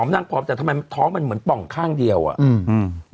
นั่งพร้อมแต่ทำไมท้องมันเหมือนป่องข้างเดียวอ่ะอืม